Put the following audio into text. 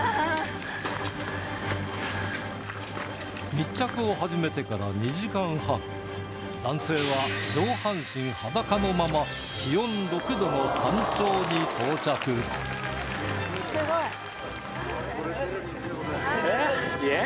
密着を始めてから２時間半男性は上半身裸のまま気温６度のイエー。